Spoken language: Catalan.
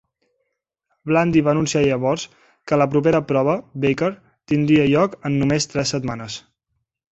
Blandy va anunciar llavors que la propera prova, Baker, tindria lloc en només tres setmanes.